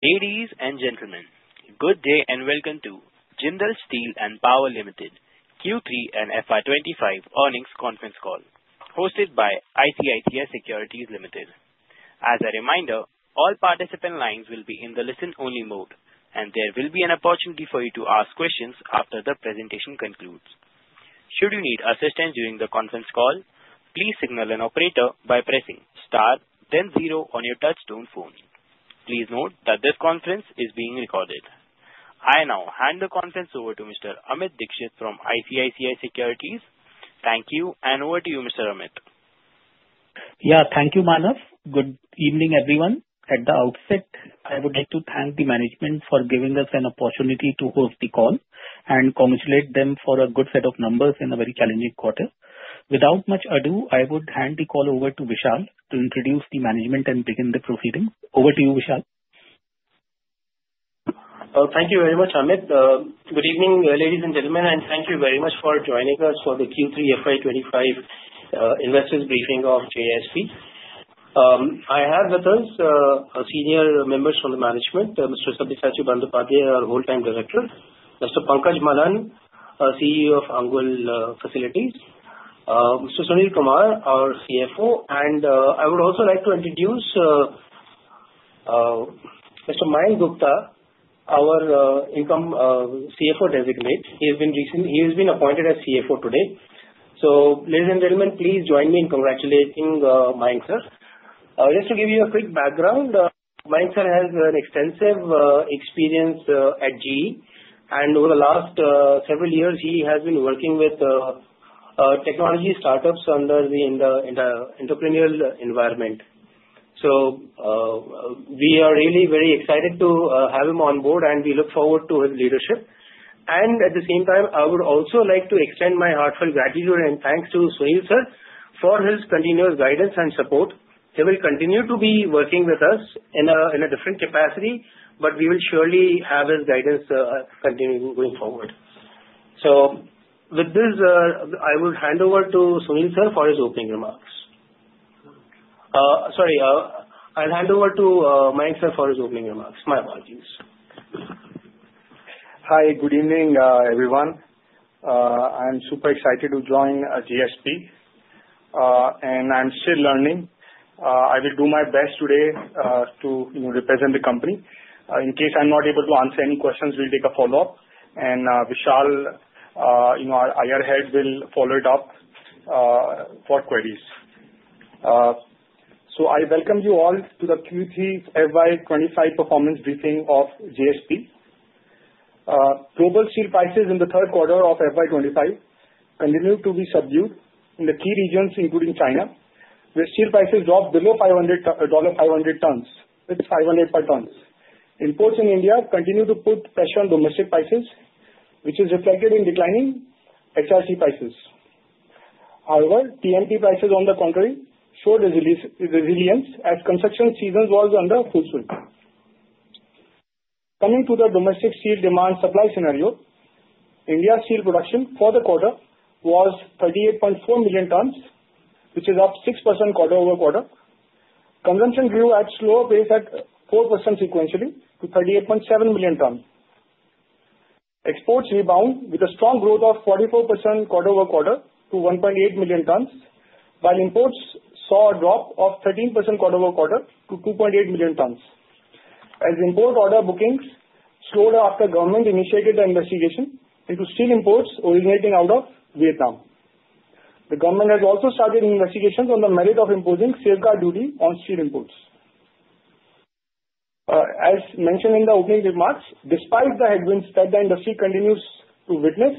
Ladies and gentlemen, good day and welcome to Jindal Steel & Power Limited Q3 and FY 2025 earnings conference call, hosted by ICICI Securities Limited. As a reminder, all participant lines will be in the listen-only mode, and there will be an opportunity for you to ask questions after the presentation concludes. Should you need assistance during the conference call, please signal an operator by pressing star, then zero on your touch-tone phone. Please note that this conference is being recorded. I now hand the conference over to Mr. Amit Dixit from ICICI Securities. Thank you, and over to you, Mr. Amit. Yeah, thank you, Manav. Good evening, everyone. At the outset, I would like to thank the management for giving us an opportunity to host the call and congratulate them for a good set of numbers in a very challenging quarter. Without much ado, I would hand the call over to Vishal to introduce the management and begin the proceedings. Over to you, Vishal. Thank you very much, Amit. Good evening, ladies and gentlemen, and thank you very much for joining us for the Q3 FY 2025 investors briefing of JSPL. I have with us senior members from the management: Mr. Sabyasachi Bandyopadhyay, our whole-time director; Mr. Pankaj Malhan, CEO of Angul Facilities; Mr. Sunil Kumar, our CFO; and I would also like to introduce Mr. Mayank Gupta, our CFO designate. He has been appointed as CFO today. So, ladies and gentlemen, please join me in congratulating Mayank sir. Just to give you a quick background, Mayank sir has an extensive experience at GE, and over the last several years, he has been working with technology startups under the entrepreneurial environment. So we are really very excited to have him on board, and we look forward to his leadership. And at the same time, I would also like to extend my heartfelt gratitude and thanks to Sunil sir for his continuous guidance and support. He will continue to be working with us in a different capacity, but we will surely have his guidance continuing going forward. So with this, I will hand over to Sunil sir for his opening remarks. Sorry, I'll hand over to Mayank sir for his opening remarks. My apologies. Hi, good evening, everyone. I'm super excited to join JSPL, and I'm still learning. I will do my best today to represent the company. In case I'm not able to answer any questions, we'll take a follow-up, and Vishal, our IR head, will follow it up for queries. So I welcome you all to the Q3 FY 2025 performance briefing of JSPL. Global steel prices in the third quarter of FY 2025 continue to be subdued in the key regions, including China, where steel prices dropped below $500 per ton, with 500 per ton. Imports in India continue to put pressure on domestic prices, which is reflected in declining HRC prices. However, TMT prices, on the contrary, showed resilience as construction season was under full swing. Coming to the domestic steel demand supply scenario, India's steel production for the quarter was 38.4 million tons, which is up 6% quarter-over-quarter. Consumption grew at a slower pace at 4% sequentially to 38.7 million tons. Exports rebounded with a strong growth of 44% quarter-over-quarter to 1.8 million tons, while imports saw a drop of 13% quarter-over-quarter to 2.8 million tons, as import order bookings slowed after the government initiated an investigation into steel imports originating out of Vietnam. The government has also started investigations on the merit of imposing safeguard duty on steel imports. As mentioned in the opening remarks, despite the headwinds that the industry continues to witness,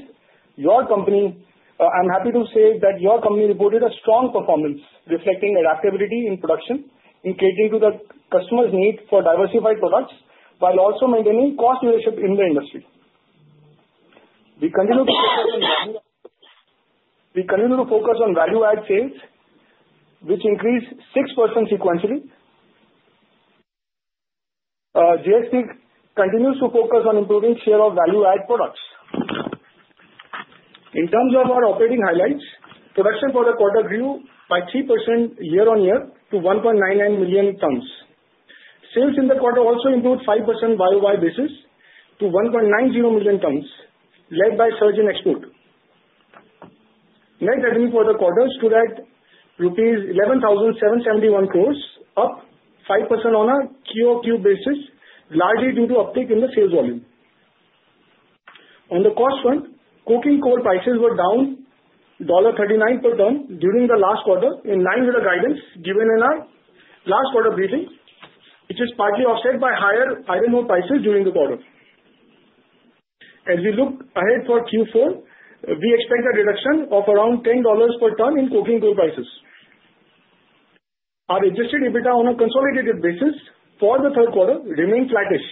I'm happy to say that your company reported a strong performance, reflecting adaptability in production, in catering to the customer's need for diversified products, while also maintaining cost leadership in the industry. We continue to focus on value-added sales, which increased 6% sequentially. JSP continues to focus on improving share of value-added products. In terms of our operating highlights, production for the quarter grew by 3% year-on-year to 1.99 million tons. Sales in the quarter also improved 5% by YoY basis to 1.90 million tons, led by surge in export. Net revenue for the quarter stood at rupees 11,771 crores, up 5% on a QoQ basis, largely due to uptake in the sales volume. On the cost front, coking coal prices were down $1.39 per ton during the last quarter, in line with the guidance given in our last quarter briefing, which is partly offset by higher iron ore prices during the quarter. As we look ahead for Q4, we expect a reduction of around $10 per ton in coking coal prices. Our Adjusted EBITDA on a consolidated basis for the third quarter remained flattish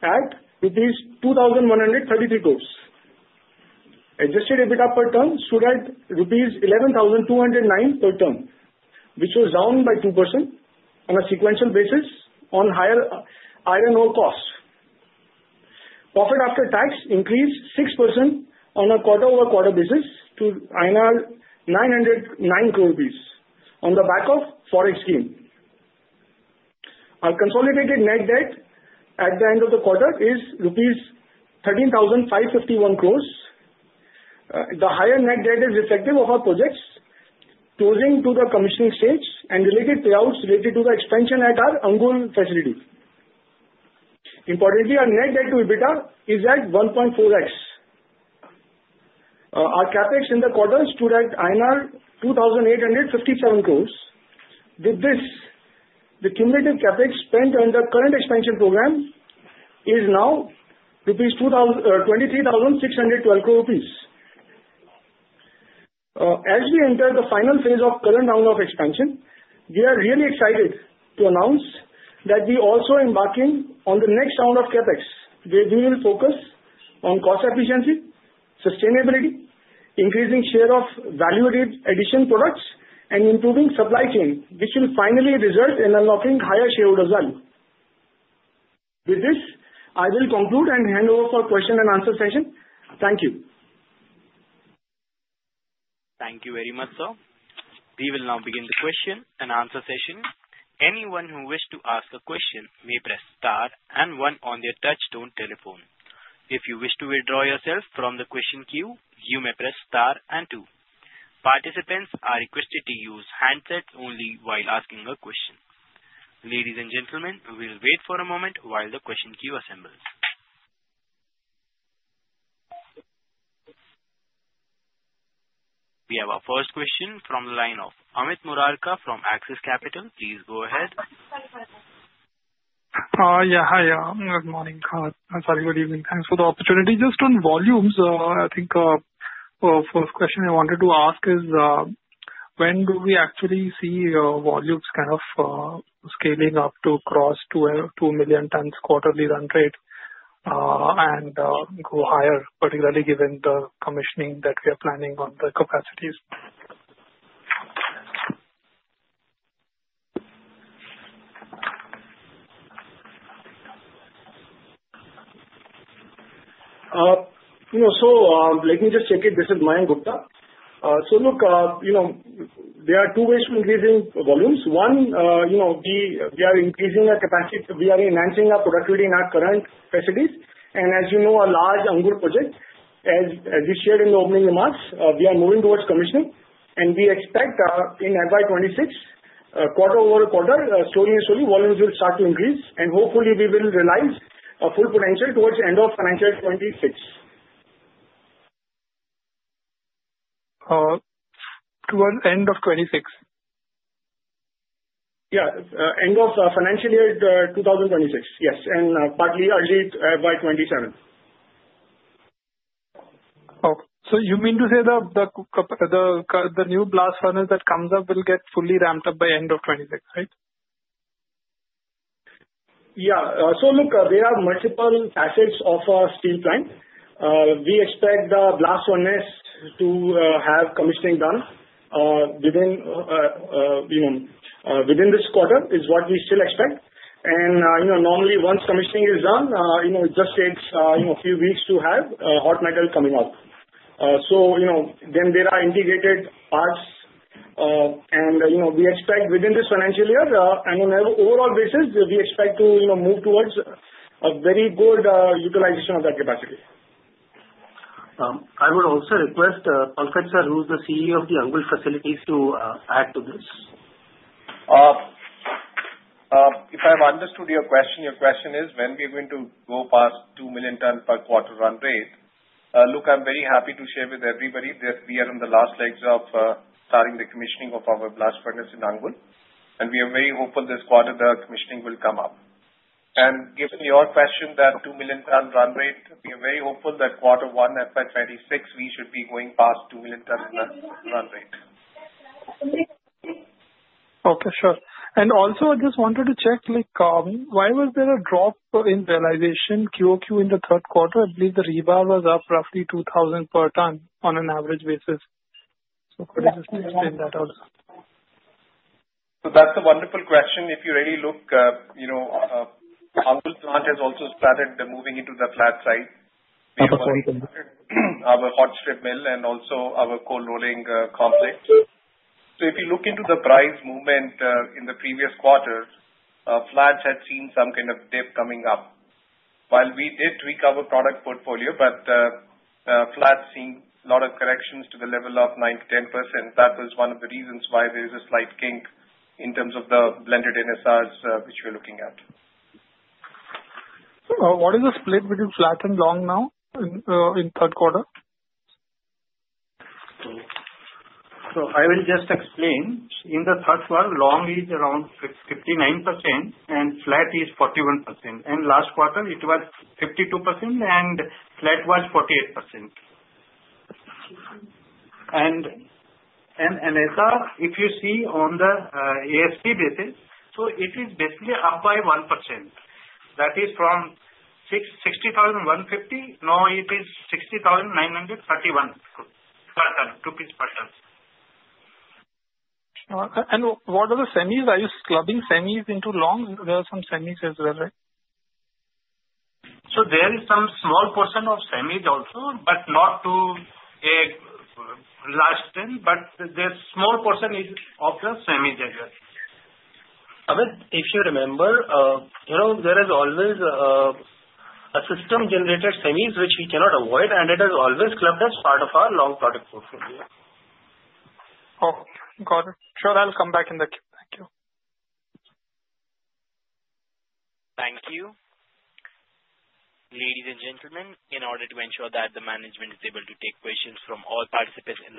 at 2,133 crores. Adjusted EBITDA per ton stood at rupees 11,209 per ton, which was down by 2% on a sequential basis on higher iron ore costs. Profit after tax increased 6% on a quarter-over-quarter basis to 909 crores rupees on the back of forex gain. Our consolidated net debt at the end of the quarter is rupees 13,551 crores. The higher net debt is reflective of our projects closing to the commissioning stage and payouts related to the expansion at our Angul facility. Importantly, our net debt to EBITDA is at 1.4x. Our CapEx in the quarter stood at INR 2,857 crores. With this, the cumulative CapEx spent under the current expansion program is now 23,612 crores rupees. As we enter the final phase of the current round of expansion, we are really excited to announce that we are also embarking on the next round of CapEx, where we will focus on cost efficiency, sustainability, increasing share of value-added products, and improving supply chain, which will finally result in unlocking higher shareholder value. With this, I will conclude and hand over for the question-and-answer session. Thank you. Thank you very much, sir. We will now begin the question-and-answer session. Anyone who wishes to ask a question may press star and one on their touch-tone telephone. If you wish to withdraw yourself from the question queue, you may press star and two. Participants are requested to use handsets only while asking a question. Ladies and gentlemen, we will wait for a moment while the question queue assembles. We have our first question from the line of Amit Murarka from Axis Capital. Please go ahead. Yeah, hi. Good morning. Sorry, good evening. Thanks for the opportunity. Just on volumes, I think the first question I wanted to ask is, when do we actually see volumes kind of scaling up to cross two million tons quarterly run rate and go higher, particularly given the commissioning that we are planning on the capacities? Let me just check it. This is Mayank Gupta. Look, there are two ways to increasing volumes. One, we are increasing our capacity. We are enhancing our productivity in our current facilities. And as you know, a large Angul project, as you shared in the opening remarks, we are moving towards commissioning. And we expect in FY 2026, quarter-over-quarter, slowly and slowly, volumes will start to increase. And hopefully, we will realize our full potential towards the end of financial year 2026. Towards the end of 2026? Yeah, end of financial year 2026, yes, and partly early FY 2027. So you mean to say the new Blast Furnace that comes up will get fully ramped up by the end of 2026, right? Yeah. So look, there are multiple assets of our steel plant. We expect the Blast Furnace to have commissioning done within this quarter, is what we still expect. And normally, once commissioning is done, it just takes a few weeks to have hot metal coming out. So then there are integrated parts. And we expect within this financial year, on an overall basis, we expect to move towards a very good utilization of that capacity. I would also request Pankaj sir, who's the CEO of the Angul facilities, to add to this. If I've understood your question, your question is, when we are going to go past 2 million tons per quarter run rate? Look, I'm very happy to share with everybody that we are on the last legs of starting the commissioning of our Blast Furnace in Angul. And we are very hopeful this quarter the commissioning will come up. And given your question, that 2 million tons run rate, we are very hopeful that quarter one FY 2026, we should be going past 2 million tons run rate. Okay, sure. And also, I just wanted to check, why was there a drop in realization QoQ in the third quarter? I believe the rebar was up roughly 2,000 per ton on an average basis. So could you just explain that also? That's a wonderful question. If you really look, Angul plant has also started moving into the flat side. We have our hot strip mill and also our cold rolling complex. If you look into the price movement in the previous quarter, flat had seen some kind of dip coming up. While we did tweak our product portfolio, flat has seen a lot of corrections to the level of 9%-10%. That was one of the reasons why there is a slight kink in terms of the blended NSRs which we're looking at. What is the split between flat and long now in third quarter? I will just explain. In the third quarter, long is around 59%, and flat is 41%. Last quarter, it was 52%, and flat was 48%. NSR, if you see on the ASP basis, it is basically up by 1%. That is from 60,150. Now it is 60,931 per ton, 2% per ton. What are the semis? Are you clubbing semis into long? There are some semis as well, right? So there is some small portion of semis also, but not to a large scale. But the small portion is of the semis as well. Amit, if you remember, there is always a system-generated semis which we cannot avoid, and it is always clubbed as part of our long product portfolio. Okay. Got it. Sure, I'll come back in the queue. Thank you. Thank you. Ladies and gentlemen, in order to ensure that the management is able to take questions from all participants in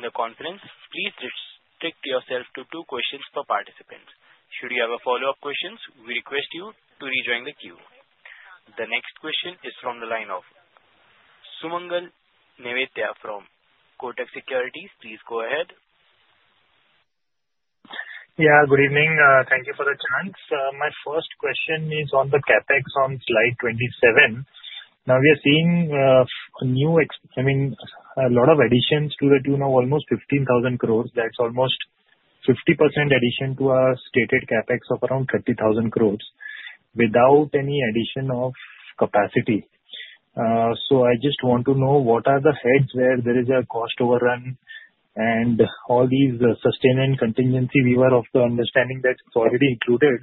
the conference, please restrict yourself to two questions per participant. Should you have a follow-up question, we request you to rejoin the queue. The next question is from the line of Sumangal Nevatia from Kotak Securities. Please go ahead. Yeah, good evening. Thank you for the chance. My first question is on the CapEx on slide 27. Now, we are seeing a lot of additions to the tune of almost 15,000 crores. That's almost 50% addition to our stated CapEx of around 30,000 crores without any addition of capacity. So I just want to know what are the heads where there is a cost overrun and all these sustain and contingency? We were of the understanding that it's already included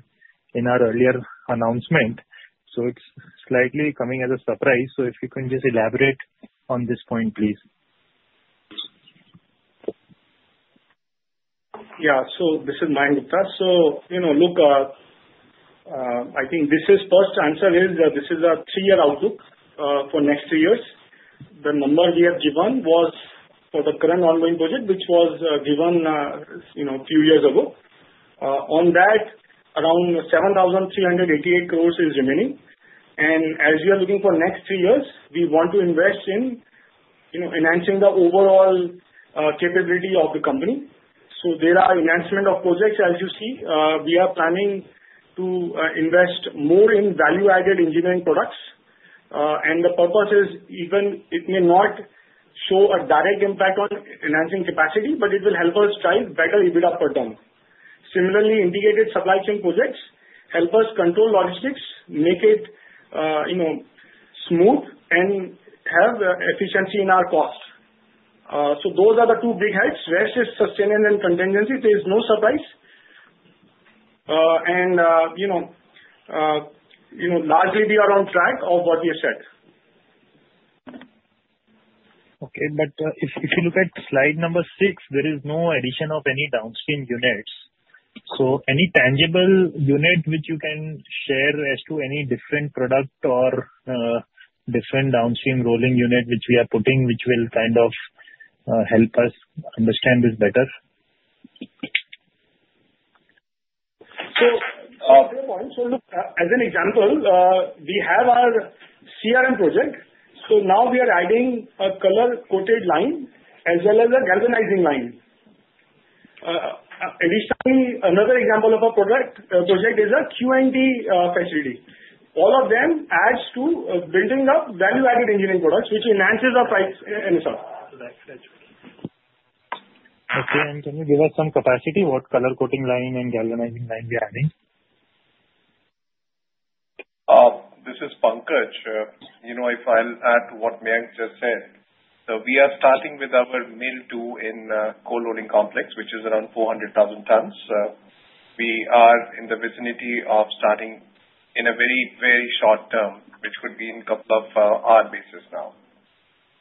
in our earlier announcement. So it's slightly coming as a surprise. So if you can just elaborate on this point, please. Yeah. So this is Mayank Gupta. So look, I think this is first answer is this is a three-year outlook for next three years. The number we have given was for the current ongoing project, which was given a few years ago. On that, around 7,388 crores is remaining. And as we are looking for next three years, we want to invest in enhancing the overall capability of the company. So there are enhancements of projects, as you see. We are planning to invest more in value-added engineering products. And the purpose is even it may not show a direct impact on enhancing capacity, but it will help us drive better EBITDA per ton. Similarly, integrated supply chain projects help us control logistics, make it smooth, and have efficiency in our cost. So those are the two big heads. Rest is sustain and contingency. There is no surprise. Largely, we are on track of what we have said. Okay. But if you look at slide number six, there is no addition of any downstream units. So any tangible unit which you can share as to any different product or different downstream rolling unit which we are putting, which will kind of help us understand this better? As an example, we have our CRM project. So now we are adding a color-coated line as well as a galvanizing line. Additionally, another example of a project is a Q&T facility. All of them add to building up value-added engineering products, which enhances our price and stuff. Okay. And can you give us some capacity? What color-coated line and galvanizing line we are adding? This is Pankaj. If I'll add what Mayank just said, we are starting with our Mill 2 in cold rolling complex, which is around 400,000 tons. We are in the vicinity of starting in a very, very short term, which could be in a couple of hour basis now.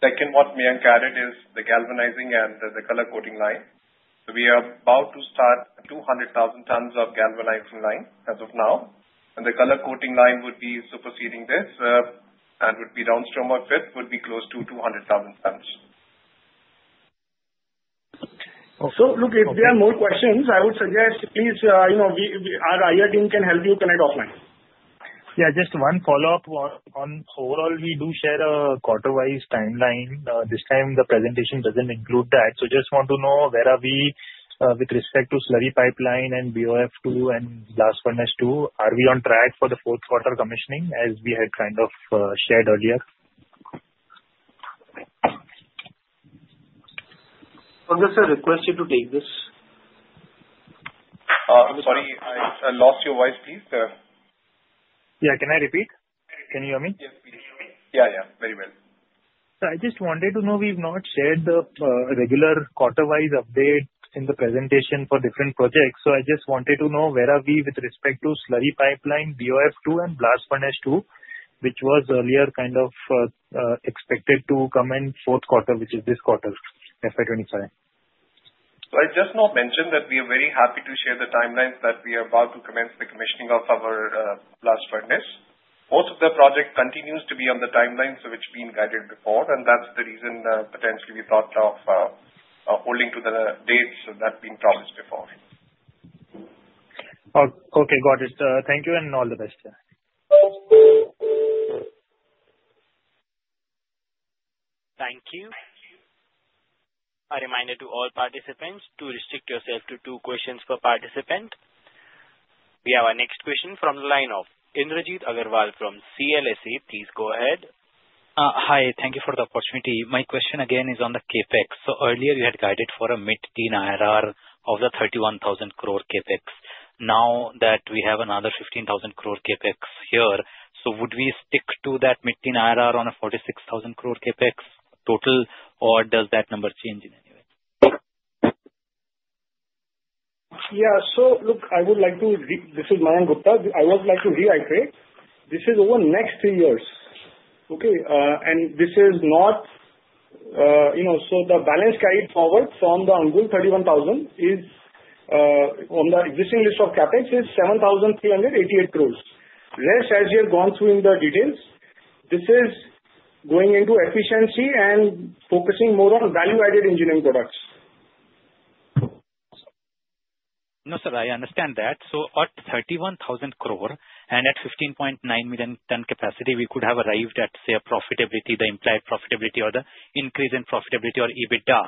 Second, what Mayank added is the galvanizing and the color coating line. So we are about to start 200,000 tons of galvanizing line as of now. And the color coating line would be superseding this and would be downstream of this, would be close to 200,000 tons. So look, if there are more questions, I would suggest please our IR team can help you connect offline. Yeah, just one follow-up on overall. We do share a quarter-wise timeline. This time, the presentation doesn't include that. So just want to know where are we with respect to slurry pipeline and BOF-II Blast Furnace-II. Are we on track for the fourth quarter commissioning, as we had kind of shared earlier? Pankaj sir, request you to take this. Sorry, I lost your voice. Please? Yeah, can I repeat? Can you hear me? Yes, please. Yeah, yeah. Very well. So I just wanted to know we've not shared the regular quarter-wise update in the presentation for different projects. So I just wanted to know where are we with respect to slurry pipeline, BOF-II, Blast Furnace-II, which was earlier kind of expected to come in fourth quarter, which is this quarter, FY 2025. So I just want to mention that we are very happy to share the timelines that we are about to commence the commissioning of our Blast Furnace. Most of the project continues to be on the timelines which have been guided before. And that's the reason potentially we thought of holding to the dates that have been promised before. Okay, got it. Thank you and all the best. Thank you. A reminder to all participants to restrict yourself to two questions per participant. We have our next question from the line of Indrajit Agarwal from CLSA. Please go ahead. Hi. Thank you for the opportunity. My question again is on the CapEx. So earlier, you had guided for a mid-teen IRR of the 31,000 crore CapEx. Now that we have another 15,000 crore CapEx here, so would we stick to that mid-teen IRR on a 46,000 crore CapEx total, or does that number change in any way? Yeah. So look, I would like to, this is Mayank Gupta. I would like to reiterate. This is over next three years. Okay? And this is not, so the balance carried forward from the Angul 31,000 is on the existing list of CapEx is 7,388 crores. Rest, as you have gone through in the details, this is going into efficiency and focusing more on value-added engineering products. No, sir, I understand that. So at 31,000 crore and at 15.9 million ton capacity, we could have arrived at, say, a profitability, the implied profitability or the increase in profitability or EBITDA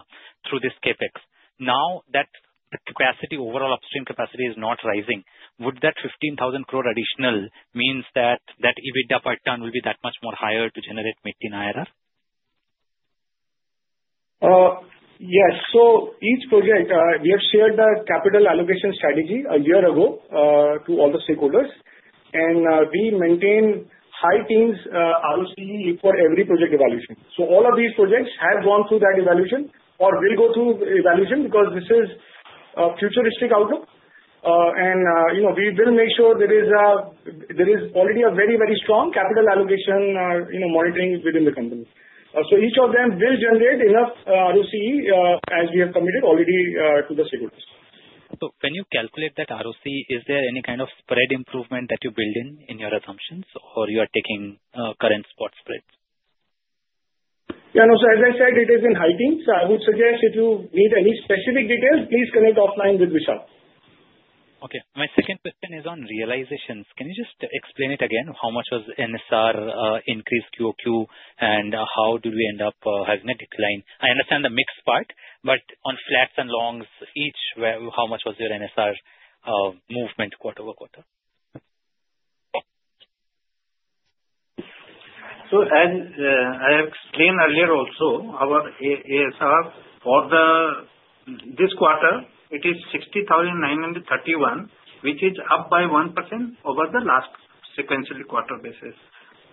through this CapEx. Now that capacity, overall upstream capacity is not rising. Would that 15,000 crore additional mean that that EBITDA per ton will be that much more higher to generate mid-teen IRR? Yes. So each project, we have shared the capital allocation strategy a year ago to all the stakeholders. And we maintain high teens ROCE for every project evaluation. So all of these projects have gone through that evaluation or will go through evaluation because this is a futuristic outlook. And we will make sure there is already a very, very strong capital allocation monitoring within the company. So each of them will generate enough ROCE as we have committed already to the stakeholders. So when you calculate that ROCE, is there any kind of spread improvement that you build in your assumptions or you are taking current spot spreads? Yeah. No, sir, as I said, it has been high teen. So I would suggest if you need any specific details, please connect offline with Vishal. Okay. My second question is on realizations. Can you just explain it again? How much was NSR increase QoQ, and how did we end up having a decline? I understand the mixed part, but on flats and longs, each, how much was your NSR movement quarter-over-quarter? As I have explained earlier also, our ASR for this quarter, it is 60,931, which is up by 1% over the last sequential quarter basis.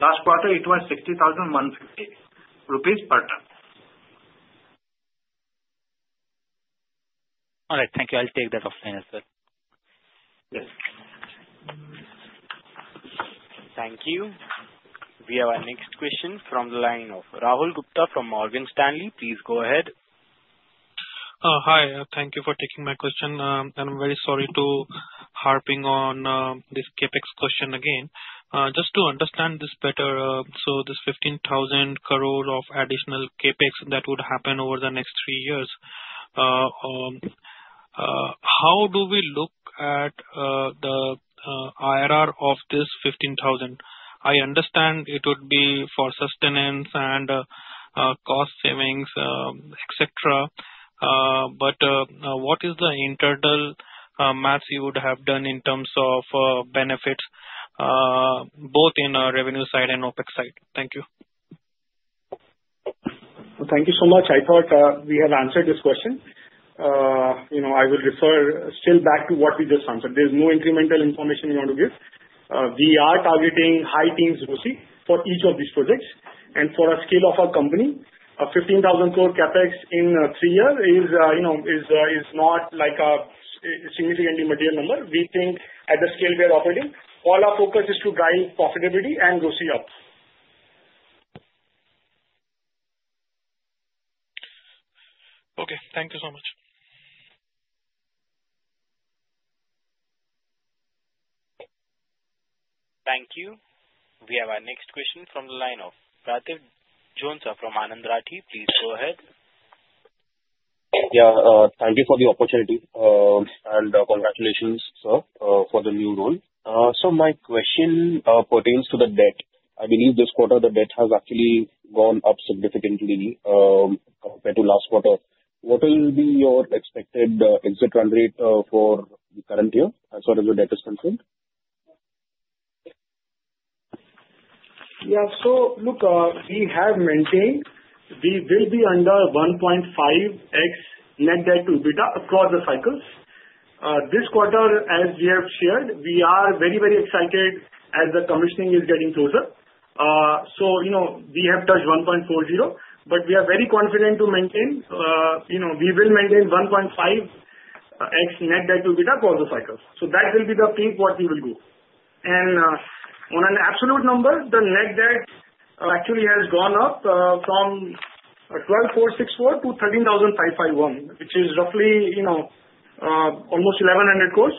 Last quarter, it was 60,150 rupees per ton. All right. Thank you. I'll take that offline as well. Yes. Thank you. We have our next question from the line of Rahul Gupta from Morgan Stanley. Please go ahead. Hi. Thank you for taking my question. I'm very sorry to harp on this CapEx question again. Just to understand this better, so this 15,000 crore of additional CapEx that would happen over the next three years, how do we look at the IRR of this 15,000? I understand it would be for sustenance and cost savings, etc. What is the internal math you would have done in terms of benefits both in our revenue side and OpEx side? Thank you. Thank you so much. I thought we have answered this question. I will refer still back to what we just answered. There's no incremental information we want to give. We are targeting high teens ROCE for each of these projects. For a scale of our company, 15,000 crore CapEx in three years is not a significantly material number. We think at the scale we are operating, all our focus is to drive profitability and ROCE up. Okay. Thank you so much. Thank you. We have our next question from the line of [Pratik Junta] from Anand Rathi. Please go ahead. Yeah. Thank you for the opportunity, and congratulations, sir, for the new role, so my question pertains to the debt. I believe this quarter, the debt has actually gone up significantly compared to last quarter. What will be your expected exit run rate for the current year as far as the debt is concerned? Yeah. So look, we have maintained we will be under 1.5x net debt to EBITDA across the cycles. This quarter, as we have shared, we are very, very excited as the commissioning is getting closer. So we have touched 1.40x, but we are very confident to maintain. We will maintain 1.5x net debt to EBITDA across the cycles. So that will be the peak what we will go. And on an absolute number, the net debt actually has gone up from 12,464 crores to 13,551 crores, which is roughly almost 1,100 crores.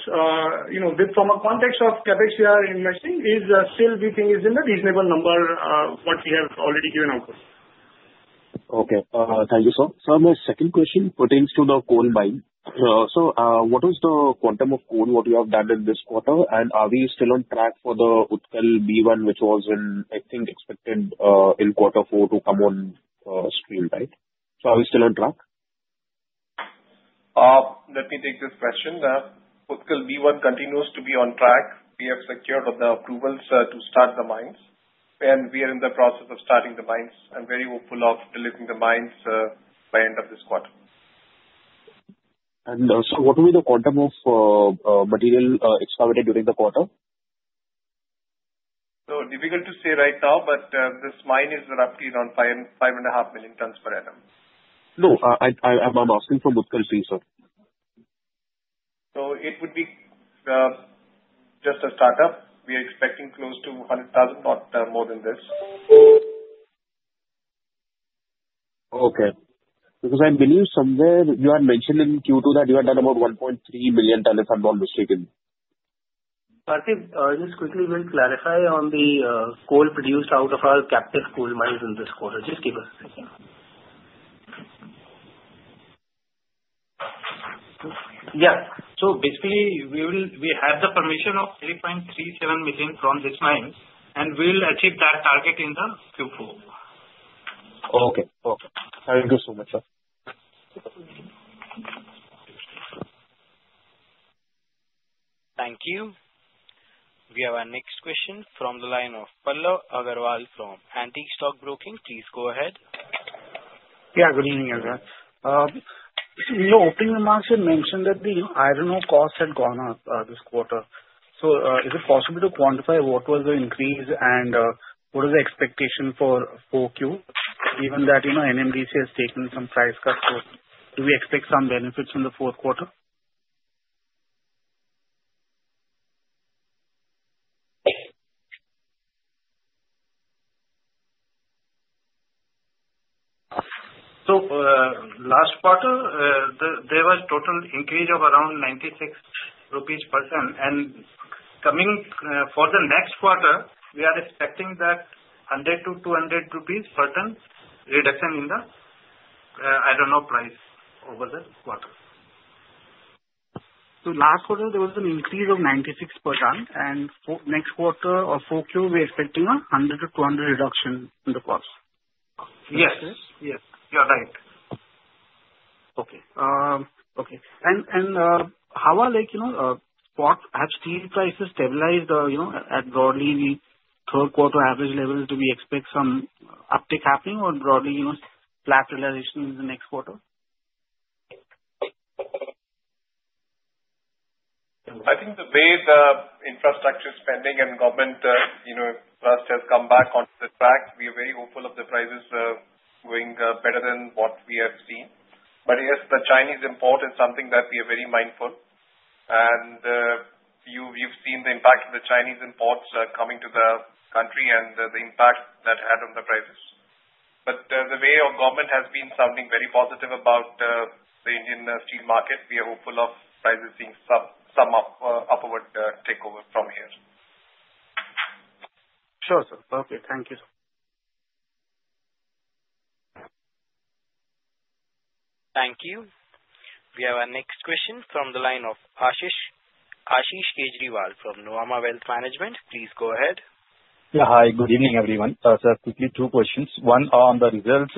From a context of CapEx we are investing, still we think it's in a reasonable number what we have already given out. Okay. Thank you, sir. Sir, my second question pertains to the coal buying. So what was the quantum of coal what we have added this quarter? And are we still on track for the Utkal B1, which was in, I think, expected in quarter four to come on stream, right? So are we still on track? Let me take this question. Utkal B1 continues to be on track. We have secured the approvals to start the mines, and we are in the process of starting the mines. I'm very hopeful of delivering the mines by end of this quarter. Sir, what will be the quantum of material excavated during the quarter? So difficult to say right now, but this mine is roughly around 5.5 million tons per annum. No, I'm asking for Utkal C, sir. So it would be just a startup. We are expecting close to 100,000, not more than this. Okay. Because I believe somewhere you had mentioned in Q2 that you had done about 1.3 million tons if I'm not mistaken. Pratik, just quickly, we'll clarify on the coal produced out of our captive coal mines in this quarter. Just give us a second. Yeah. So basically, we have the permission of 3.37 million from this mine, and we'll achieve that target in the Q4. Okay. Thank you so much, sir. Thank you. We have our next question from the line of Pallav Agarwal from Antique Stock Broking. Please go ahead. Yeah. Good evening, Agarwal. Marks had mentioned that the iron ore cost had gone up this quarter. So is it possible to quantify what was the increase and what is the expectation for 4Q, given that NMDC has taken some price cuts? Do we expect some benefits in the fourth quarter? So last quarter, there was total increase of around 96 rupees per ton. And coming for the next quarter, we are expecting that 100-200 rupees per ton reduction in the iron ore price over the quarter. Last quarter, there was an increase of 96 per ton. Next quarter, 4Q, we're expecting a 100-200 reduction in the cost. Yes. Yes. Yes. You're right. How are spot steel prices stabilized at broadly third quarter average levels? Do we expect some uptick happening or broadly flat realization in the next quarter? I think the way the infrastructure spending and government thrust has come back on track, we are very hopeful of the prices going better than what we have seen. But yes, the Chinese import is something that we are very mindful. And you've seen the impact of the Chinese imports coming to the country and the impact that had on the prices. But the way our government has been sounding very positive about the Indian steel market, we are hopeful of prices being some upward trajectory from here. Sure, sir. Okay. Thank you, sir. Thank you. We have our next question from the line of Ashish. Ashish Kejriwal from Nuvama Wealth Management. Please go ahead. Yeah. Hi. Good evening, everyone. Sir, quickly, two questions. One on the results.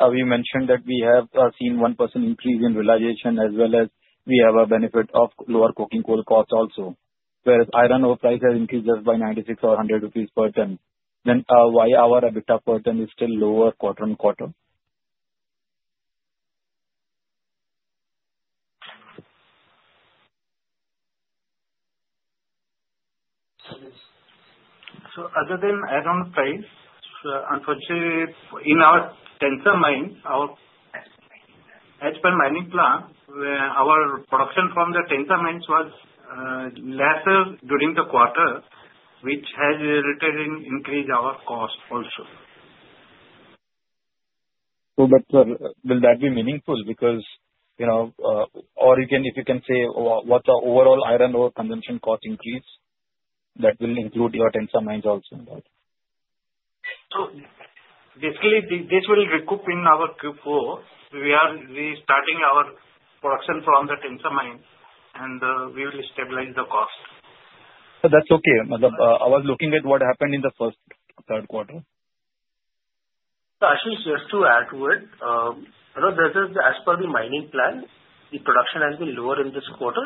We mentioned that we have seen 1% increase in realization as well as we have a benefit of lower coking coal cost also. Whereas iron ore price has increased just by 96 or 100 rupees per ton. Then why our EBITDA per ton is still lower quarter-on-quarter? So other than iron ore price, unfortunately, in our Tensa mines, our pellet plant, our production from the Tensa mines was lesser during the quarter, which has resulted in an increase in our cost also. So that, sir, will that be meaningful? Because if you can say what the overall iron ore consumption cost increase, that will include your Tensa mines also in that. So basically, this will recoup in our Q4. We are restarting our production from the Tensa mines, and we will stabilize the cost. That's okay. I was looking at what happened in the first third quarter. Ashish, just to add to it, as per the mining plan, the production has been lower in this quarter.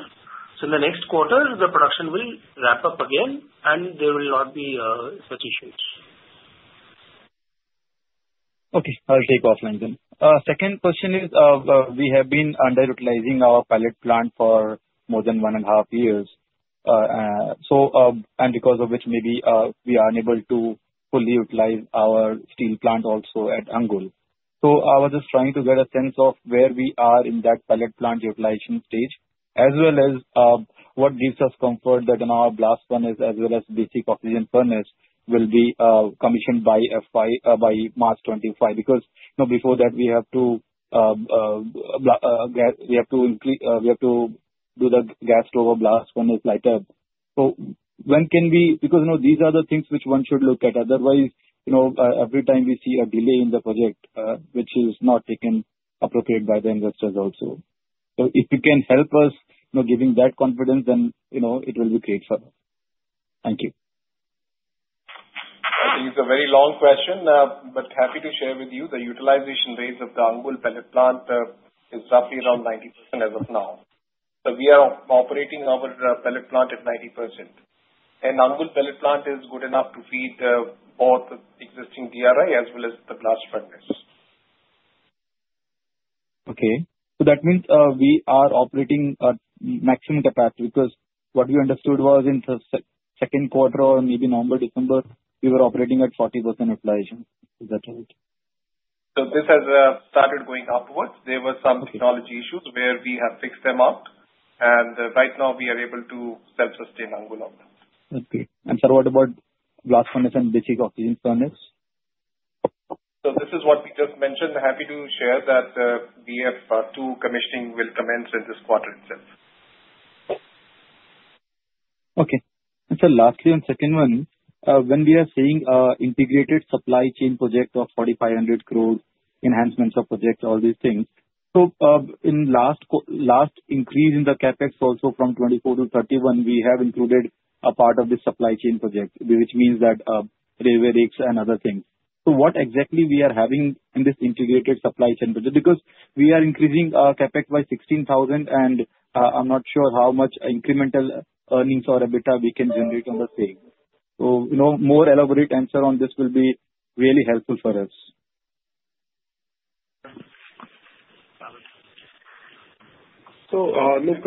So in the next quarter, the production will ramp up again, and there will not be such issues. Okay. I'll take offline then. Second question is we have been underutilizing our pellet plant for more than one and a half years. And because of which, maybe we are unable to fully utilize our steel plant also at Angul. So I was just trying to get a sense of where we are in that pellet plant utilization stage, as well as what gives us comfort that our Blast Furnace, as well as basic oxygen furnace, will be commissioned by March 2025. Because before that, we have to do the hot blast stove Blast Furnace light up. So when can we because these are the things which one should look at. Otherwise, every time we see a delay in the project, which is not taken appropriately by the investors also. So if you can help us giving that confidence, then it will be great for us. Thank you. I think it's a very long question, but happy to share with you. The utilization rate of the Angul pellet plant is roughly around 90% as of now, so we are operating our pellet plant at 90% and Angul pellet plant is good enough to feed both the existing DRI as well as the Blast Furnace. Okay. So that means we are operating at maximum capacity. Because what we understood was in the second quarter or maybe November, December, we were operating at 40% utilization. Is that right? This has started going upwards. There were some technology issues where we have fixed them up. Right now, we are able to self-sustain Angul on that. That's great. And sir, what about Blast Furnace and basic oxygen furnace? So this is what we just mentioned. Happy to share that we have two commissioning will commence in this quarter itself. Okay. And sir, lastly on second one, when we are seeing integrated supply chain project of 4,500 crore enhancements of project, all these things. So in last increase in the CapEx also from 24 to 31, we have included a part of the supply chain project, which means that railway rakes and other things. So what exactly we are having in this integrated supply chain project? Because we are increasing our CapEx by 16,000, and I'm not sure how much incremental earnings or EBITDA we can generate on the same. So more elaborate answer on this will be really helpful for us. So look,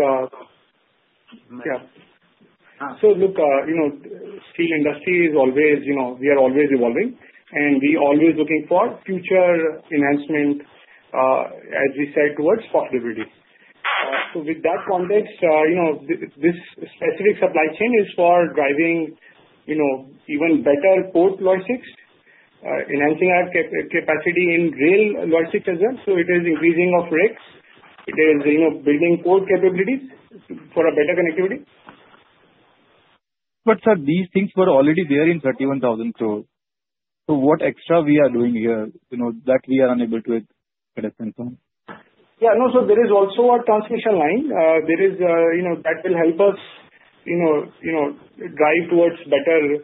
steel industry is always we are always evolving. And we are always looking for future enhancement, as we said, towards possibility. So with that context, this specific supply chain is for driving even better port logistics, enhancing our capacity in rail logistics as well. So it is increasing of rakes. It is building port capabilities for a better connectivity. But sir, these things were already there in 31,000 crore. So what extra we are doing here that we are unable to address? Yeah. No, so there is also our transmission line. There is that will help us drive towards better.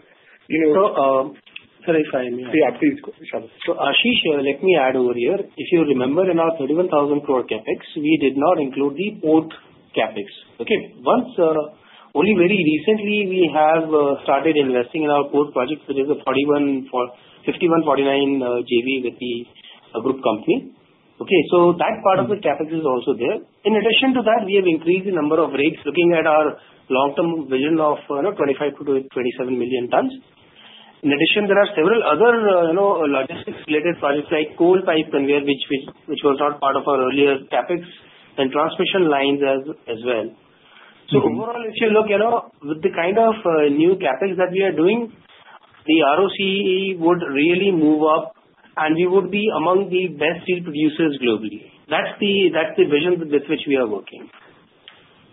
Sir, if I may. Yeah, please. So Ashish, let me add over here. If you remember, in our 31,000 crore CapEx, we did not include the port CapEx. Okay. Once only very recently, we have started investing in our port project, which is a 51:49 JV with the group company. Okay. So that part of the CapEx is also there. In addition to that, we have increased the number of rigs. Looking at our long-term vision of 25 million-27 million tons. In addition, there are several other logistics-related projects like coal pipe conveyor, which was not part of our earlier CapEx, and transmission lines as well. So overall, if you look with the kind of new CapEx that we are doing, the ROCE would really move up, and we would be among the best steel producers globally. That's the vision with which we are working.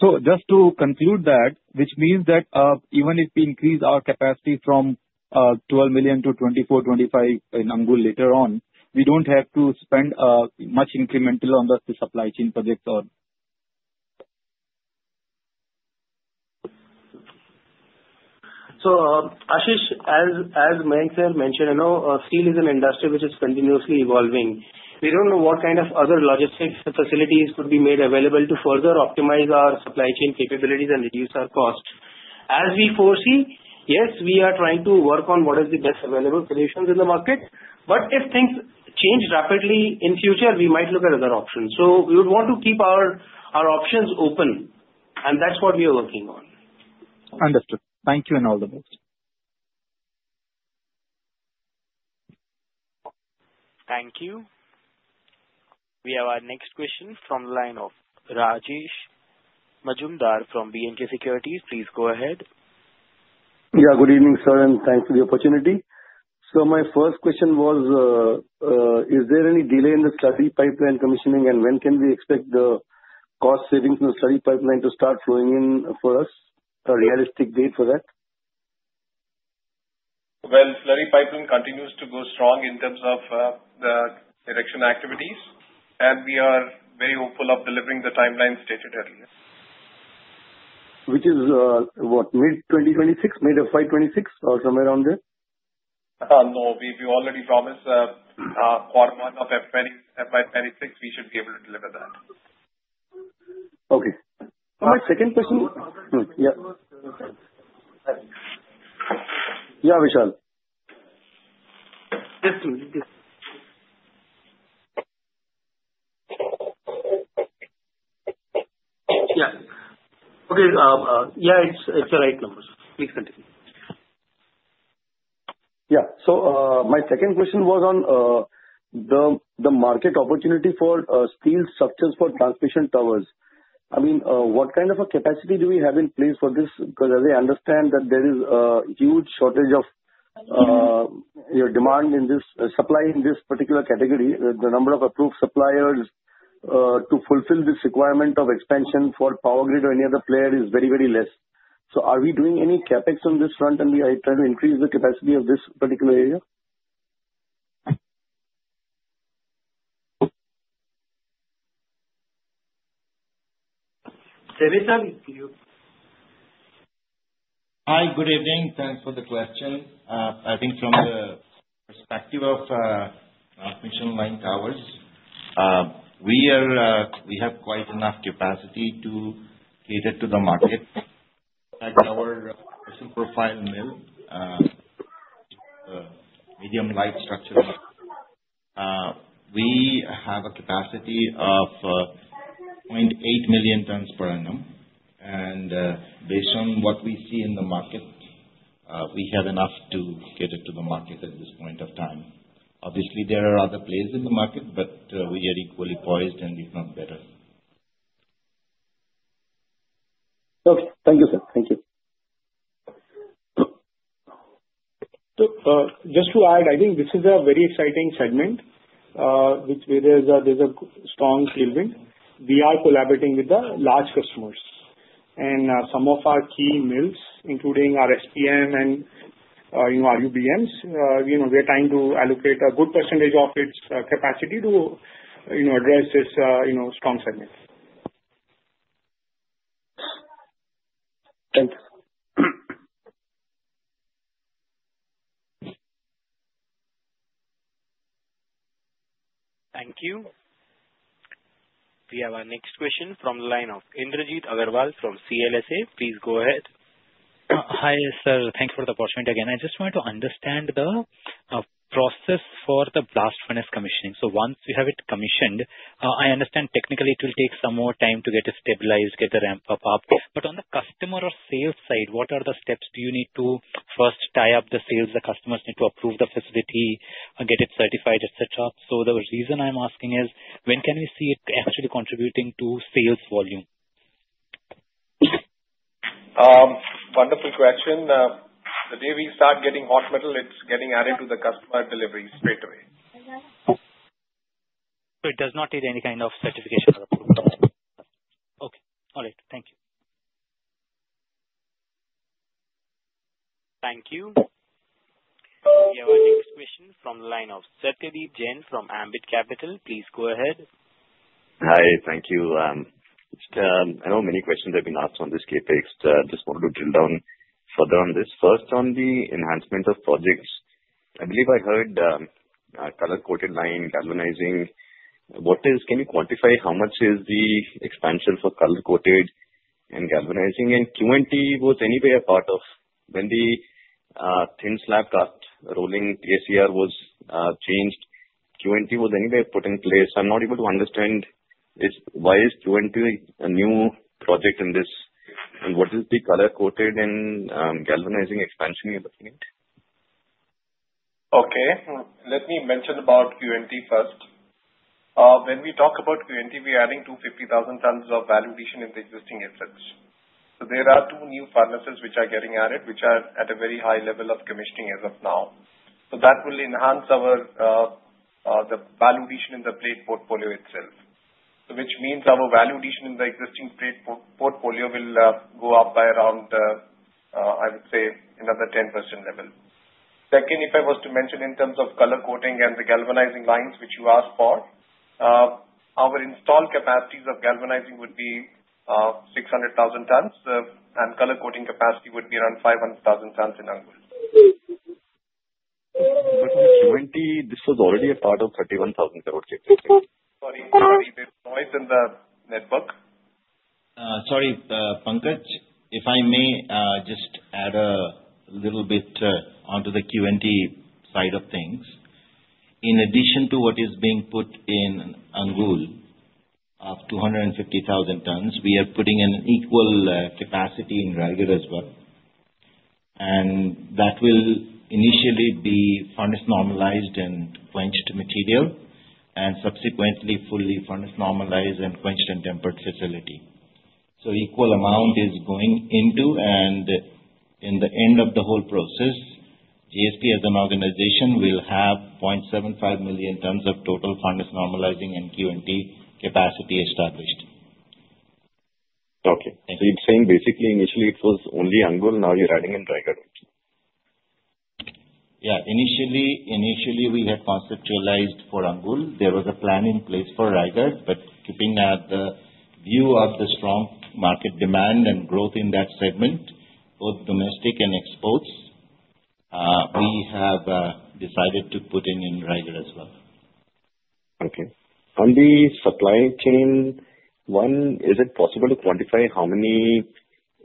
So just to conclude that, which means that even if we increase our capacity from 12 million to 24-25 in Angul later on, we don't have to spend much incremental on the supply chain projects or. So Ashish, as Mayank sir mentioned, steel is an industry which is continuously evolving. We don't know what kind of other logistics facilities could be made available to further optimize our supply chain capabilities and reduce our cost. As we foresee, yes, we are trying to work on what is the best available solutions in the market. But if things change rapidly in future, we might look at other options. So we would want to keep our options open. And that's what we are working on. Understood. Thank you and all the best. Thank you. We have our next question from the line of Rajesh Majumdar from B & K Securities. Please go ahead. Yeah. Good evening, sir, and thanks for the opportunity. So my first question was, is there any delay in the slurry pipeline commissioning, and when can we expect the cost savings in the slurry pipeline to start flowing in for us? A realistic date for that? Slurry Pipeline continues to go strong in terms of the erection activities. We are very hopeful of delivering the timeline stated earlier. Which is what, mid-2026, mid-FY 2026 or somewhere around there? No. We already promised quarter one of FY 2026, we should be able to deliver that. Okay. My second question. Yeah. Yeah, Vishal. Yes, please. Yeah. Okay. Yeah, it's the right number. Please continue. Yeah. So my second question was on the market opportunity for steel structures for transmission towers. I mean, what kind of a capacity do we have in place for this? Because as I understand that there is a huge shortage of demand in this supply in this particular category, the number of approved suppliers to fulfill this requirement of expansion for PowerGrid or any other player is very, very less. So are we doing any CapEx on this front, and we are trying to increase the capacity of this particular area? There is a. Hi. Good evening. Thanks for the question. I think from the perspective of transmission line towers, we have quite enough capacity to cater to the market. At our profile mill, medium light structure market, we have a capacity of 0.8 million tons per annum, and based on what we see in the market, we have enough to cater to the market at this point of time. Obviously, there are other players in the market, but we are equally poised and if not better. Okay. Thank you, sir. Thank you. So just to add, I think this is a very exciting segment, which there's a strong steel tailwind. We are collaborating with the large customers. And some of our key mills, including our SPM and our UBMs, we are trying to allocate a good percentage of its capacity to address this strong segment. Thank you. Thank you. We have our next question from the line of Indrajit Agarwal from CLSA. Please go ahead. Hi, sir. Thank you for the opportunity again. I just wanted to understand the process for the Blast Furnace commissioning. So once we have it commissioned, I understand technically it will take some more time to get it stabilized, get the ramp up. But on the customer or sales side, what are the steps do you need to first tie up the sales? The customers need to approve the facility, get it certified, etc. So the reason I'm asking is, when can we see it actually contributing to sales volume? Wonderful question. The day we start getting hot metal, it's getting added to the customer delivery straight away. So it does not need any kind of certification or approval? Okay. All right. Thank you. Thank you. We have our next question from the line of Satyadeep Jain from Ambit Capital. Please go ahead. Hi. Thank you. I know many questions have been asked on this CapEx. I just wanted to drill down further on this. First, on the enhancement of projects, I believe I heard color-coated line, galvanizing. Can you quantify how much is the expansion for color-coated and galvanizing? And Q&T was anywhere part of when the thin slab cast rolling ACR was changed, Q&T was anywhere put in place? I'm not able to understand why is Q&T a new project in this? And what is the color-coated and galvanizing expansion you're looking at? Okay. Let me mention about Q&T first. When we talk about Q&T, we are adding 250,000 tons of value addition in the existing efforts. So there are two new furnaces which are getting added, which are at a very high level of commissioning as of now. So that will enhance the value addition in the plate portfolio itself, which means our value addition in the existing plate portfolio will go up by around, I would say, another 10% level. Second, if I was to mention in terms of color-coating and the galvanizing lines, which you asked for, our installed capacities of galvanizing would be 600,000 tons, and color-coating capacity would be around 500,000 tons in Angul. But Q&T, this was already a part of 31,000 crore CapEx. Sorry. Sorry. There's noise in the network. Sorry, Pankaj. If I may just add a little bit onto the Q&T side of things. In addition to what is being put in Angul of 250,000 tons, we are putting an equal capacity in Raigarh as well. And that will initially be furnace normalized and quenched material, and subsequently fully furnace normalized and quenched and tempered facility. So equal amount is going into. And in the end of the whole process, JSP as an organization will have 0.75 million tons of total furnace normalizing and Q&T capacity established. Okay, so you're saying basically initially it was only Angul, now you're adding in Raigarh also? Yeah. Initially, we had conceptualized for Angul. There was a plan in place for Raigarh, but keeping the view of the strong market demand and growth in that segment, both domestic and exports, we have decided to put in Raigarh as well. Okay. On the supply chain one, is it possible to quantify how many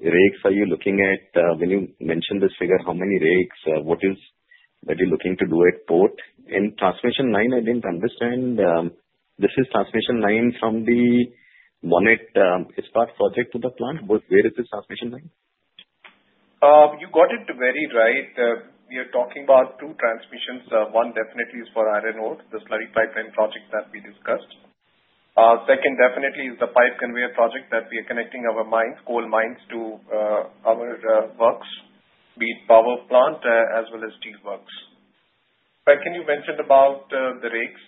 rigs are you looking at? When you mentioned this figure, how many rigs? What is that you're looking to do at port? And transmission line, I didn't understand. This is transmission line from the Monnet Ispat project to the plant. Where is this transmission line? You got it very right. We are talking about two transmissions. One definitely is for iron ore, the slurry pipeline project that we discussed. Second, definitely is the pipe conveyor project that we are connecting our coal mines to our works, be it power plant as well as steel works. When you mentioned about the rigs,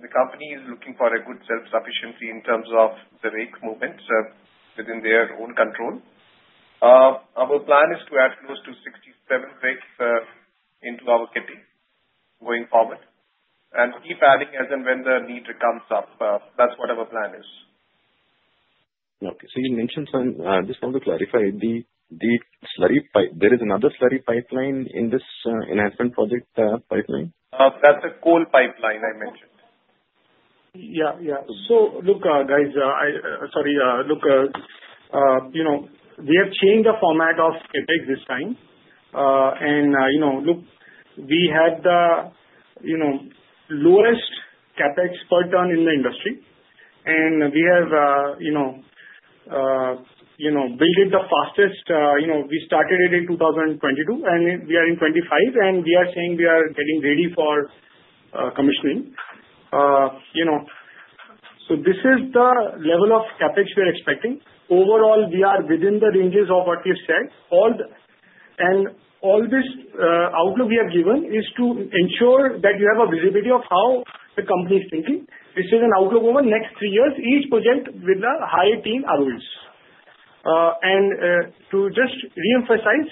the company is looking for a good self-sufficiency in terms of the rig movements within their own control. Our plan is to add close to 67 rigs into our kitty going forward and keep adding as and when the need comes up. That's what our plan is. Okay. So you mentioned something. I just want to clarify. There is another slurry pipeline in this enhancement project pipeline? That's a coal pipeline I mentioned. Yeah. Yeah. So look, guys, sorry. Look, we have changed the format of CapEx this time. And look, we had the lowest CapEx per ton in the industry. And we have built it the fastest. We started it in 2022, and we are in 2025. And we are saying we are getting ready for commissioning. So this is the level of CapEx we are expecting. Overall, we are within the ranges of what we have said. And all this outlook we have given is to ensure that you have a visibility of how the company is thinking. This is an outlook over the next three years, each project with a higher EBITDA margin. To just reemphasize,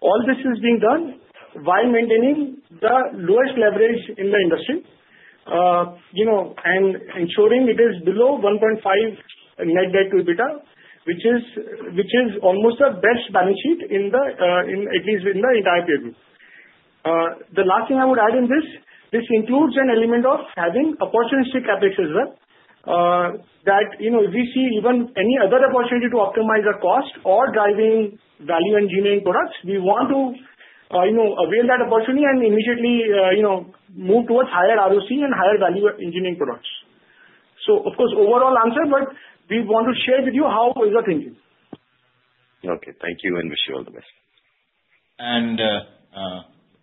all this is being done while maintaining the lowest leverage in the industry and ensuring it is below 1.5 net debt to EBITDA, which is almost the best balance sheet in at least in the entire period. The last thing I would add in this, this includes an element of having opportunistic CapEx as well. That if we see even any other opportunity to optimize the cost or driving value engineering products, we want to avail that opportunity and immediately move towards higher ROC and higher value engineering products. Of course, overall answer, but we want to share with you how we are thinking. Okay. Thank you and wish you all the best.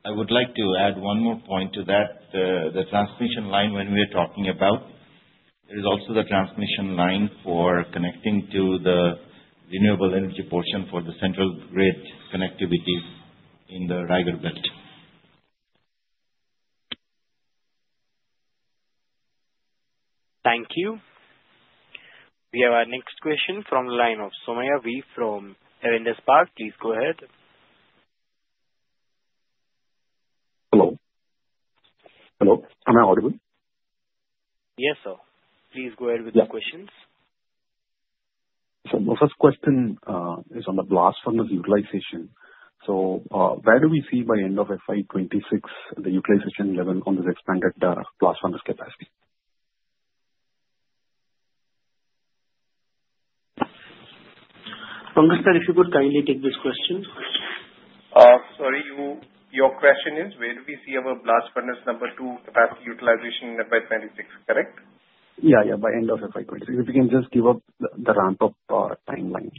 I would like to add one more point to that. The transmission line, when we are talking about, there is also the transmission line for connecting to the renewable energy portion for the central grid connectivity in the Raigarh belt. Thank you. We have our next question from the line of Somaiah from Avendus Spark. Please go ahead. Hello. Hello. Am I audible? Yes, sir. Please go ahead with your questions. The first question is on the Blast Furnace utilization. Where do we see by end of FY 2026 the utilization level on this expanded Blast Furnace capacity? Pankaj, if you could kindly take this question. Sorry. Your question is, where do we see our Blast Furnace number two capacity utilization by FY 2026, correct? Yeah. Yeah. By end of FY 2026, if you can just give us the ramp-up timeline.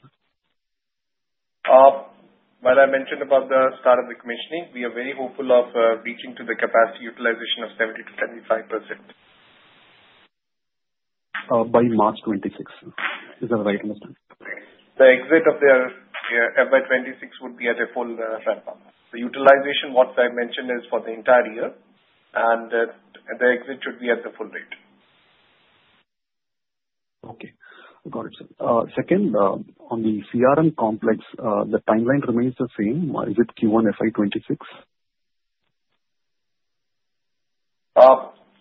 While I mentioned about the start of the commissioning, we are very hopeful of reaching to the capacity utilization of 70%-75%. By March 26? Is that right? The exit of the FY 2026 would be at a full ramp-up. The utilization, what I mentioned, is for the entire year, and the exit should be at the full rate. Okay. Got it, sir. Second, on the CRM complex, the timeline remains the same. Is it Q1 FY 2026?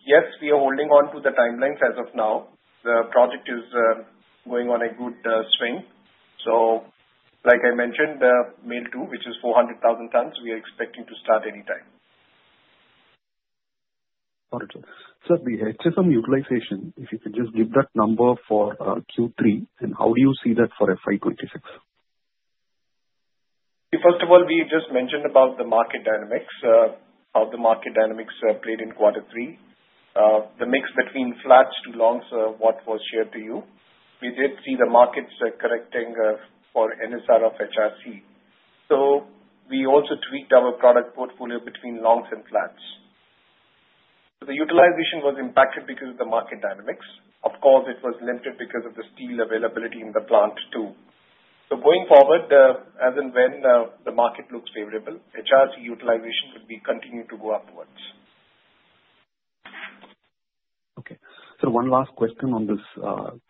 Yes. We are holding on to the timelines as of now. The project is going on a good swing. So like I mentioned, mill two, which is 400,000 tons, we are expecting to start anytime. Got it, sir. So the exit on utilization, if you could just give that number for Q3, and how do you see that for FY 2026? First of all, we just mentioned about the market dynamics, how the market dynamics played in quarter three, the mix between flats to longs, what was shared to you. We did see the markets correcting for NSR of HRC. So we also tweaked our product portfolio between longs and flats. So the utilization was impacted because of the market dynamics. Of course, it was limited because of the steel availability in the plant too. So going forward, as and when the market looks favorable, HRC utilization would be continued to go upwards. Okay. So one last question on this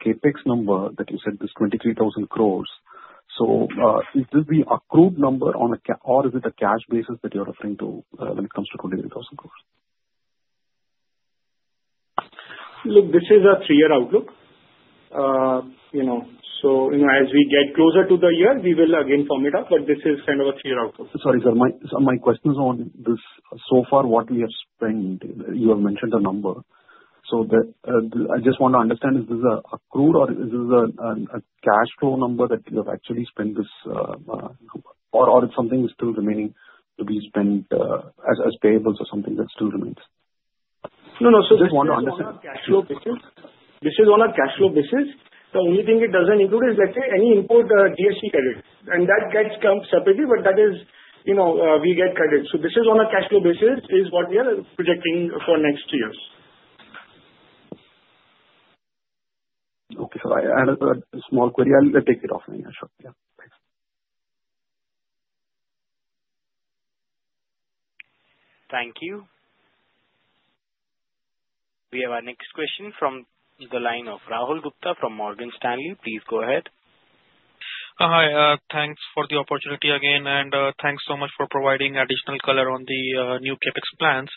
CapEx number that you said was 23,000 crores. So is this the accrued number or a cash or is it a cash basis that you're referring to when it comes to 23,000 crores? Look, this is a three-year outlook. So as we get closer to the year, we will again form it up. But this is kind of a three-year outlook. Sorry, sir. My question is on this so far, what we have spent. You have mentioned a number. So I just want to understand, is this accrued or is this a cash flow number that you have actually spent this number? Or it's something that's still remaining to be spent as payables or something that still remains? No, no. So this is on a cash flow basis. The only thing it doesn't include is, let's say, any import GST credits. And that gets counted separately, but that is, we get credits. So this is on a cash flow basis is what we are projecting for next years. Okay. So I added a small query. I'll take it off. Yeah. Sure. Yeah. Thanks. Thank you. We have our next question from the line of Rahul Gupta from Morgan Stanley. Please go ahead. Hi. Thanks for the opportunity again and thanks so much for providing additional color on the new CapEx plans.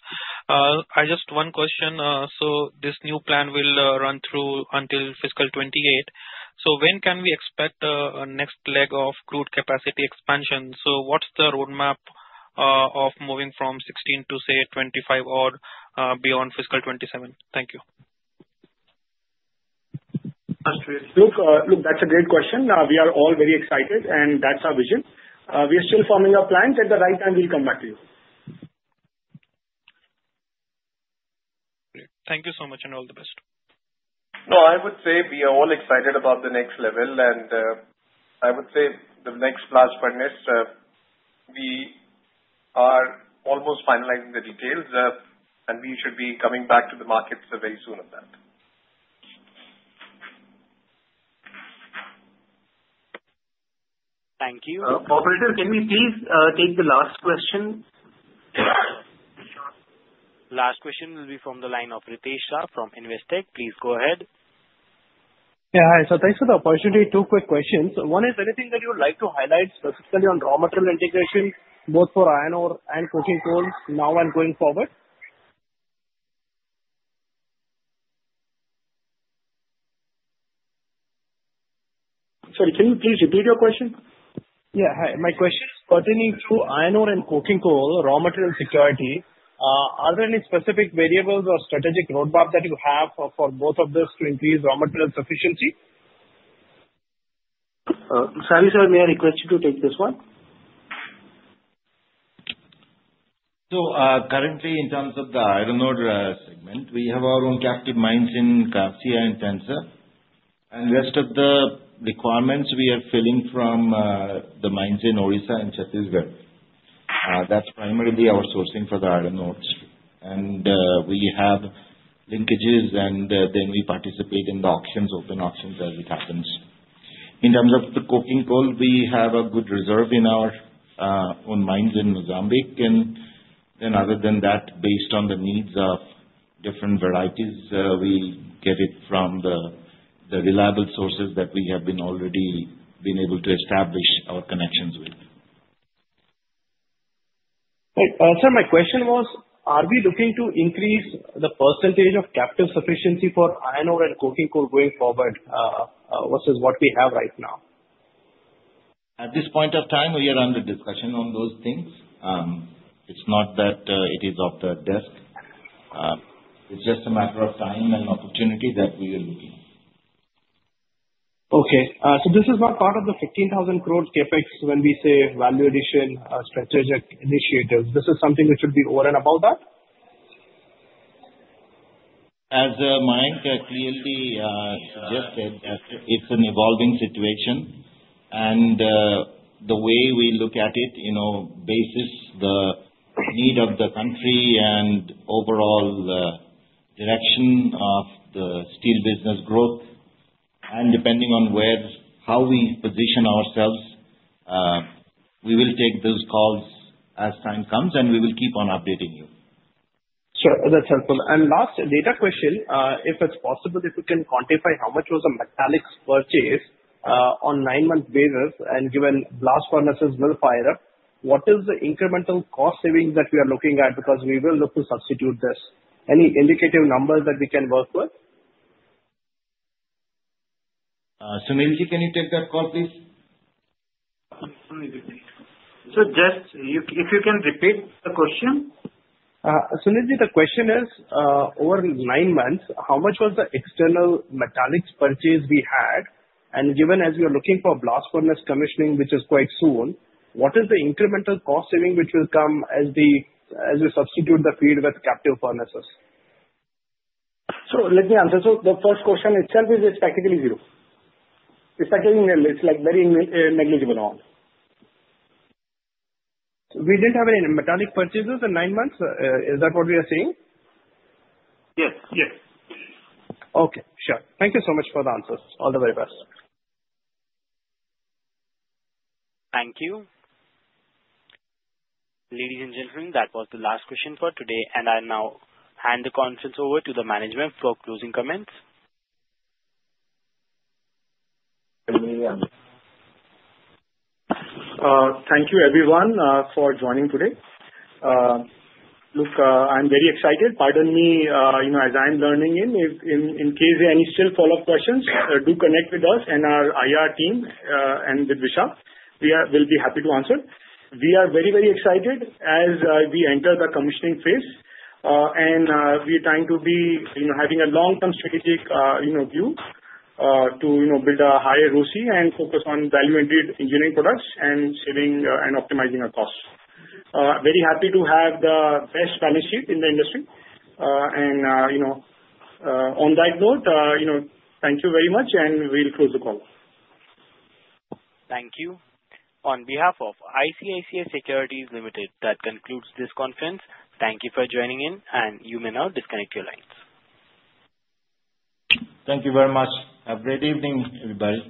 Just one question, so this new plan will run through until fiscal 2028. So when can we expect a next leg of crude capacity expansion? So what's the roadmap of moving from 2016 to, say, 2025 or beyond fiscal 2027? Thank you. Look, that's a great question. We are all very excited, and that's our vision. We are still forming our plans. At the right time, we'll come back to you. Great. Thank you so much and all the best. No, I would say we are all excited about the next level, and I would say the next Blast Furnace, we are almost finalizing the details, and we should be coming back to the market very soon on that. Thank you. Operator, can we please take the last question? Last question will be from the line of Ritesh Shah from Investec. Please go ahead. Yeah. Hi. So thanks for the opportunity. Two quick questions. One is, anything that you would like to highlight specifically on raw material integration, both for iron ore and coking coals now and going forward? Sorry. Can you please repeat your question? Yeah. Hi. My question is pertaining to iron ore and coking coal, raw material security. Are there any specific variables or strategic roadmap that you have for both of those to increase raw material sufficiency? Sorry, sir. May I request you to take this one? So currently, in terms of the iron ore segment, we have our own captive mines in Kasia and Tensa. And the rest of the requirements, we are filling from the mines in Odisha and Chhattisgarh. That's primarily our sourcing for the iron ores. And we have linkages, and then we participate in the auctions, open auctions as it happens. In terms of the coking coal, we have a good reserve in our own mines in Mozambique. And other than that, based on the needs of different varieties, we get it from the reliable sources that we have already been able to establish our connections with. Right. So my question was, are we looking to increase the percentage of captive sufficiency for iron ore and coking coal going forward versus what we have right now? At this point of time, we are under discussion on those things. It's not that it is off the desk. It's just a matter of time and opportunity that we are looking. Okay. So this is not part of the 15,000 crore CapEx when we say value addition strategic initiatives. This is something which should be over and above that? As the mind clearly suggested, it's an evolving situation, and the way we look at it is based on the need of the country and overall direction of the steel business growth, and depending on how we position ourselves, we will take those calls as time comes, and we will keep on updating you. Sure. That's helpful. And last data question, if it's possible, if we can quantify how much was a metallics purchase on a nine-month basis and given Blast Furnace is mill five up, what is the incremental cost savings that we are looking at? Because we will look to substitute this. Any indicative numbers that we can work with? Sunilji, can you take that call, please? Just if you can repeat the question. Sunilji, the question is, over nine months, how much was the external metallics purchase we had? And given as we are looking for Blast Furnace commissioning, which is quite soon, what is the incremental cost saving which will come as we substitute the feed with captive furnaces? So let me answer. So the first question itself is, it's practically zero. It's practically very negligible amount. We didn't have any metallic purchases in nine months. Is that what we are seeing? Yes. Yes. Okay. Sure. Thank you so much for the answers. All the very best. Thank you. Ladies and gentlemen, that was the last question for today, and I now hand the conference over to the management for closing comments. Thank you, everyone, for joining today. Look, I'm very excited. Pardon me as I'm learning in. In case there are any still follow-up questions, do connect with us and our IR team and with Vishal. We will be happy to answer. We are very, very excited as we enter the commissioning phase. And we are trying to be having a long-term strategic view to build a higher ROCE and focus on value-engineering products and saving and optimizing our costs. Very happy to have the best balance sheet in the industry. And on that note, thank you very much, and we'll close the call. Thank you. On behalf of ICICI Securities Limited, that concludes this conference. Thank you for joining in, and you may now disconnect your lines. Thank you very much. Have a great evening, everybody.